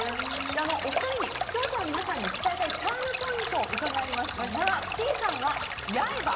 お二人に視聴者の皆さんに伝えたいチャームポイントを伺いましたがきんさんは、八重歯。